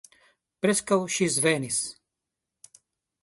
Preskaŭ ŝi svenis.